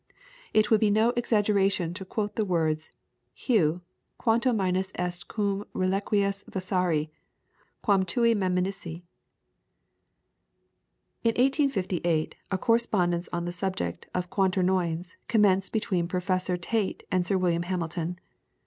It would be no exaggeration to quote the words: 'Heu! quanto minus est cum reliquis versari, quam tui meminisse!'" In 1858 a correspondence on the subject of Quaternions commenced between Professor Tait and Sir William Hamilton.